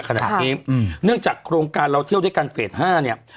ขนาดนี้เนื่องจากโครงการเราเที่ยวด้วยกันเฟส๕เนี่ย